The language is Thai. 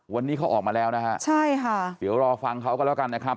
วันนี้เขาออกมาแล้วนะฮะใช่ค่ะเดี๋ยวรอฟังเขาก็แล้วกันนะครับ